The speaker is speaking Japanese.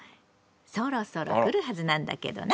そろそろ来るはずなんだけどな。